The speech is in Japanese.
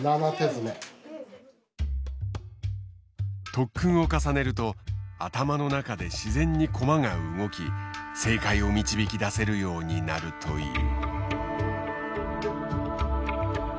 特訓を重ねると頭の中で自然に駒が動き正解を導き出せるようになるという。